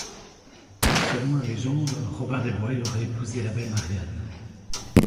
Selon la légende, Robin des Bois y aurait épousé la Belle Marianne.